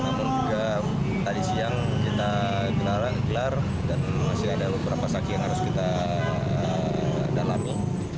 namun juga tadi siang kita gelar dan masih ada beberapa saki yang harus kita dalami